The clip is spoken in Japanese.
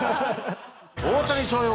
大谷翔平